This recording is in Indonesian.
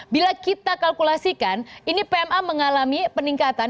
bila kita kalkulasikan ini pma mengalami peningkatan